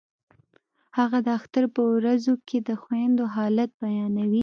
هغه د اختر په ورځو کې د خویندو حالت بیانوي